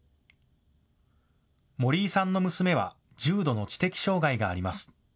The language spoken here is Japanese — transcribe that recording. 森井さんの娘は重度の知的障害があります。